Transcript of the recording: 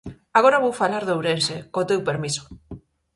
Agora vou falar de Ourense, co teu permiso.